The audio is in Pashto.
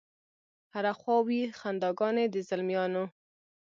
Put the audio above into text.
هره خوا وي خنداګانې د زلمیانو